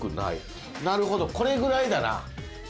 なるほどこれぐらいだな。